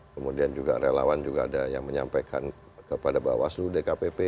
kemudian juga relawan juga ada yang menyampaikan kepada bawaslu dkpp